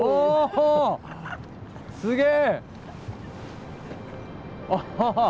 すげえ！